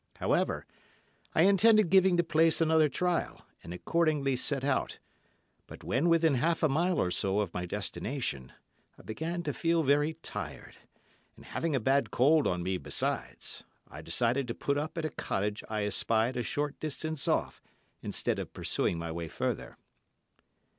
However, I intended giving the place another trial, and accordingly set out; but when within half a mile or so of my destination, I began to feel very tired, and having a bad cold on me besides, I decided to put up at a cottage I espied a short distance off, instead of pursuing my way further.